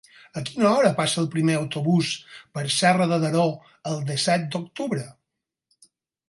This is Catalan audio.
A quina hora passa el primer autobús per Serra de Daró el disset d'octubre?